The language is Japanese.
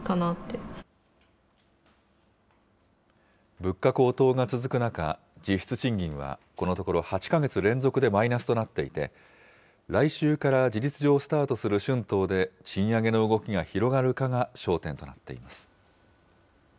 物価高騰が続く中、実質賃金は、このところ８か月連続でマイナスとなっていて、来週から事実上スタートする春闘で賃上げの動きが広がるかが焦点となっています。